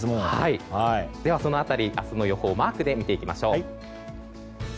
では、その辺り明日の予報をマークで見ていきましょう。